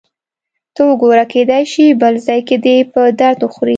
ته وګوره، کېدای شي بل ځای کې دې په درد وخوري.